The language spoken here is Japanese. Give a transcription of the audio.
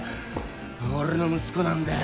俺の息子なんだよ。